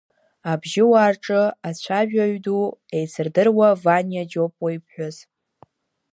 Абжьыуаа рҿы ацәажәаҩ ду ҳәа еицырдыруа Ваниа Џьопуа иԥҳәыс!